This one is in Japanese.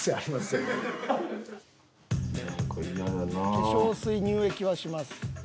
化粧水乳液はします。